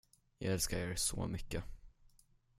Jag älskar er så mycket.